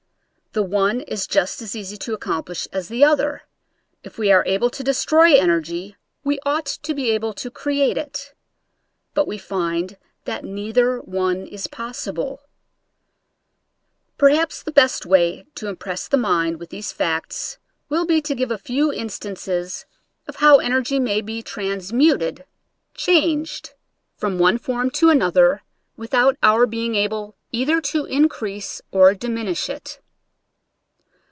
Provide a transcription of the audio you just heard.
The one is just as easy to accomplish as the other — if we are able to destroy energy we ought to be able to create it; but we find that neither one is possible. Perhaps the besx way to impress the mind with these facts will be to give a few instances of how energy may be transmuted — changed — Original from UNIVERSITY OF WISCONSIN 40 nature's fliiracles. from one form to another without our being able either to increase or diminish it.